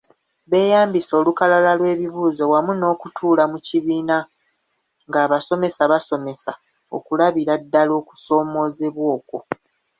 Beeyambisa olukalala lw’ebibuuzo wamu n’okutuula mu kibiina ng’abasomesa basomesa okulabira ddala okusomoozebwa okwo.